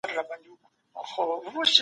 زرينه